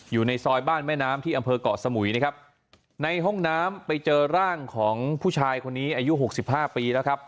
อยู่ในซอยบ้านแม่น้ำที่อำเภอกเกาะสมุยนะครับในห้องน้ำไปเจอร่างของผู้ชายคนนี้อายุหกสิบห้าปีแล้วครับ